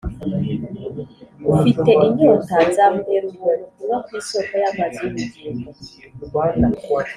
Ufite inyota nzamuhera ubuntu kunywa ku isoko y’amazi y’ubugingo.